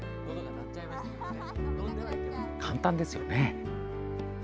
簡単ですよね。